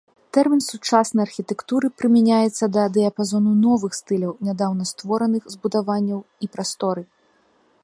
Тэрмін сучаснай архітэктуры прымяняецца да дыяпазону новых стыляў нядаўна створаных збудаванняў і прасторы.